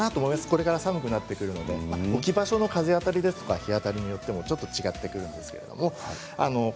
これから寒くなってくるので置き場所の風当たりや日当たりによってもちょっと違ってくるんですけど。